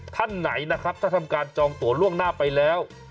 ท่านไหนนะครับถ้าทำการจองตัวล่วงหน้าไปแล้ว